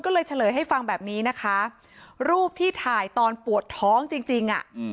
ก็เลยเฉลยให้ฟังแบบนี้นะคะรูปที่ถ่ายตอนปวดท้องจริงอ่ะ